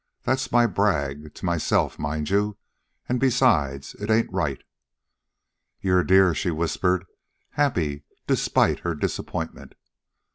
That's my brag to myself, mind you. An' besides, it ain't right." "You're a dear," she whispered, happy despite her disappointment.